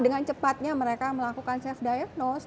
dengan cepatnya mereka melakukan safe diagnose